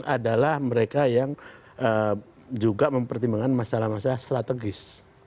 adalah mereka yang juga mempertimbangkan masalah masalah strategis